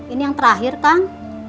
ini yang terakhir akang